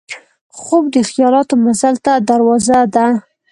خوب د خیالاتو مزل ته دروازه ده